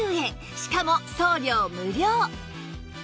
しかも送料無料！